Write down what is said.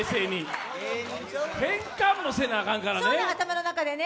変換もせなアカンからね。